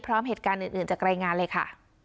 พร้อมเหตุการณ์อื่นจากรายงานเลยค่ะ